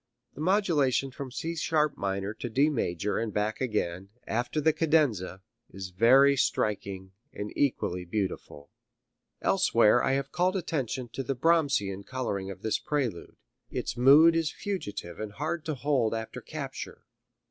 The modulation from C sharp minor to D major and back again after the cadenza is very striking and equally beautiful." Elsewhere I have called attention to the Brahmsian coloring of this prelude. Its mood is fugitive and hard to hold after capture.